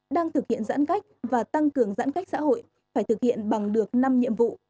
đang thực hiện giãn cách và tăng cường giãn cách xã hội phải thực hiện bằng được năm nhiệm vụ